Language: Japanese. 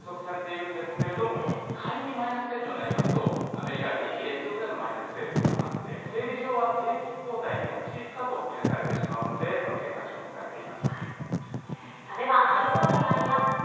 今、小幅ながらプラス成長が予測されているんですけれども、仮にマイナス成長になりますと、アメリカ、２期連続でのマイナス成長となって、定義上は景気後退に陥ったと見なされてしまうので、その結果、注目されています。